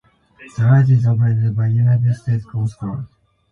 The light is operated by the United States Coast Guard.